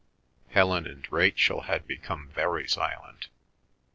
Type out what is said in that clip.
Helen and Rachel had become very silent.